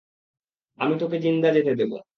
আমি তোকে জিন্দা যেতে দেব।